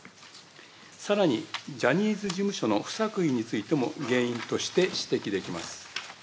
さらに、ジャニーズ事務所の不作為についても原因として指摘できます。